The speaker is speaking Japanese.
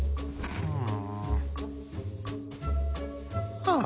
ふん。